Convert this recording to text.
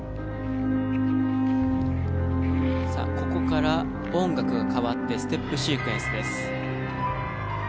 さあここから音楽が変わってステップシークエンスです。